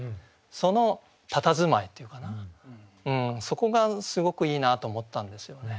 そのたたずまいというかなそこがすごくいいなと思ったんですよね。